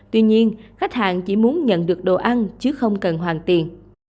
tuy nhiên khách hàng chỉ muốn nhận được đồ ăn chứ không cần hoàn tiền